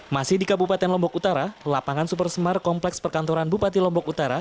masih di kabupaten lombok utara lapangan super semar kompleks perkantoran bupati lombok utara